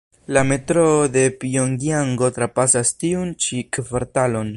La Metroo de Pjongjango trapasas tiun ĉi kvartalon.